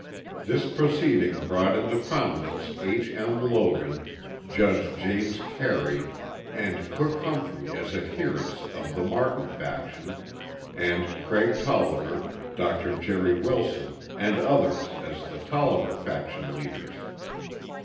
This proceeding brought into prominence H. M. Logan, Judge James Carey and Cook Humphrey as adherents of the Martin faction and Craig Tolliver, Dr. Jerry Wilson and others as the Tolliver faction leaders.